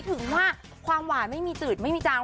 ถึงว่าความหวานไม่มีจืดไม่มีจัง